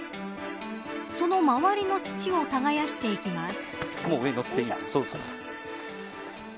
その周りの土を耕していきます。